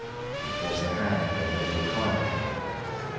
It was the hand of Edward Hyde.